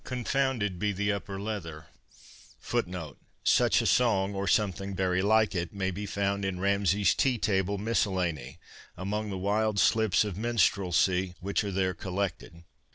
Confounded be the upper leather.'" Such a song, or something very like it, may be found in Ramsay's Tea table Miscellany, among the wild slips of minstrelsy which are there collected.